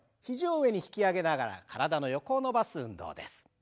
肘を上に引き上げながら体の横を伸ばす運動です。